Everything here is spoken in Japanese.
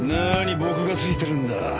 何僕がついてるんだ。